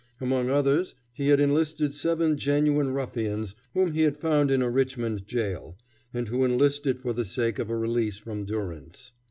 Among others he had enlisted seven genuine ruffians whom he had found in a Richmond jail, and who enlisted for the sake of a release from durance.